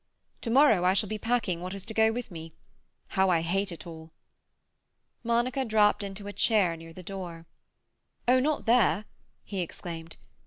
"To morrow I shall be packing what is to go with me. How I hate it all!" Monica dropped into a chair near the door. "Oh, not there!" he exclaimed.